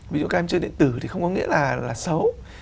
ví dụ các em chơi điện tử thì không có nghĩa là xấu